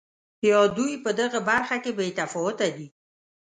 یا دوی په دغه برخه کې بې تفاوته دي.